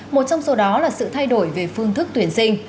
một trong số đó là sự thay đổi về phương thức tuyển sinh